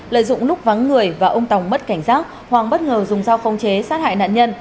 lợi dụng lúc vắng người và ông tòng mất cảnh giác hoàng bất ngờ dùng dao không chế sát hại nạn nhân